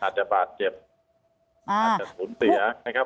อาจจะบาดเจ็บอาจจะสูญเสียนะครับ